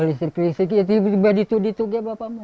listrik listrik itu sudah diperlukan bapak